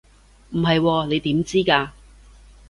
唔係喎，你點知㗎？